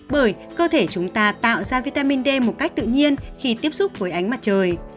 bởi cơ thể chúng ta tạo ra vitamin d một cách tự nhiên khi tiếp xúc với ánh mặt trời